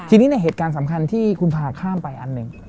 ทีนี้ในเหตุการณ์สำคัญที่คุณพาข้ามไปอันหนึ่ง